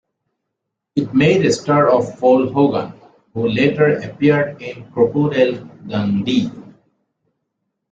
It made a star of Paul Hogan, who later appeared in "Crocodile" Dundee.